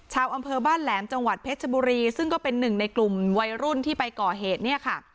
ชาวอำเภอบ้านแหลมจังหวัดเพชรบุรีซึ่งก็เป็นหนึ่งในกลุ่มวัยรุ่นที่ไปก่อเหตุเนี่ยค่ะ